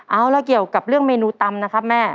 เอาละเกี่ยวกับเรื่องเมนูตำนะครับแม่